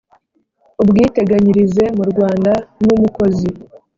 Ubwiteganyirize mu Rwanda n umukozi